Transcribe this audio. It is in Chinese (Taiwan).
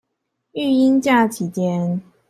育嬰假期間